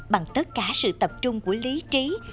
bằng tất cả sự tập trung của lý trí